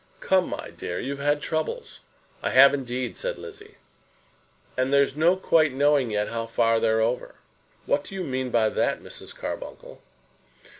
"Come, my dear; you've had troubles." "I have, indeed," said Lizzie. "And there's no quite knowing yet how far they're over." "What do you mean by that, Mrs. Carbuncle?"